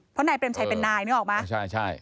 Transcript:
เพราะนายเปรมชัยเป็นนายนึกออกมั้ย